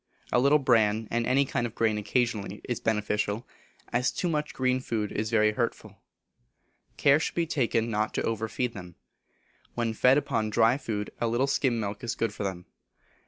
A little bran, and any kind of grain occasionally is beneficial, as too much green food is very hurtful. Care should be taken not to over feed them. When fed upon dry food a little skim milk is good for them.